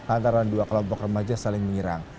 antara dua kelompok remaja saling menyerang